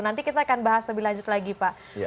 nanti kita akan bahas lebih lanjut lagi pak